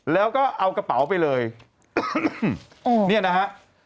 แล้วก็เอากระเป๋าไปเลยเนี่ยนะฮะ